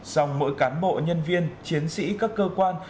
dòng mỗi cán bộ nhân viên chiến sĩ các cơ quan